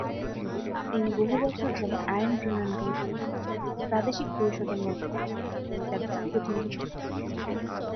তিনি বহু বছর ধরে আইন-প্রণয়নকারী পরিষদ্ এবং প্রাদেশিক পরিষদের মধ্যে বাংলার জমিদারদের প্রতিনিধিত্ব করেন।